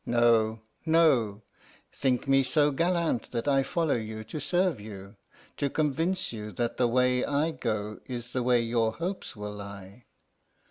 No, no; think me so gallant that I follow you to serve you, to convince you that the way I go is the way your hopes will lie.